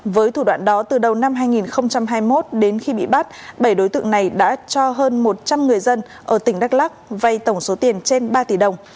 với thủ đoạn đó từ đầu năm hai nghìn hai mươi một đến khi bị bắt bảy đối tượng này đã cho hơn một trăm linh người dân ở tỉnh đắk lắc vay tổng số tiền trên ba tỷ đồng